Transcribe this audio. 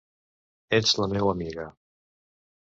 Ets la meua amiga...